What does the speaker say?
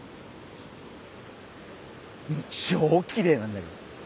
ちょうきれいなんだけど。